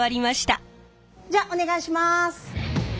じゃあお願いします！